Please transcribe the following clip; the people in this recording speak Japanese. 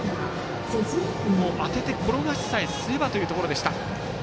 当てて転がしさえすればというところでした。